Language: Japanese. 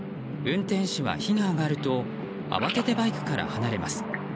運転手は火が上がると慌ててバイクから離れます。